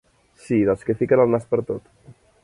Sí, dels que fiquen el nas pertot.